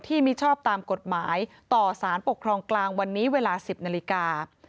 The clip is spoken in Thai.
มิชอบตามกฎหมายต่อสารปกครองกลางวันนี้เวลา๑๐นาฬิกา